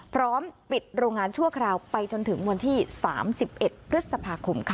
พร้อมปิดโรงงานชั่วคราวไปจนถึงวันที่๓๑พฤษภาคมค่ะ